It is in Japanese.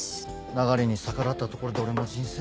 流れに逆らったところで俺の人生。